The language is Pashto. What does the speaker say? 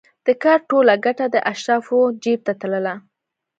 د کار ټوله ګټه د اشرافو جېب ته تلله.